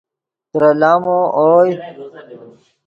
ترے لامو اوئے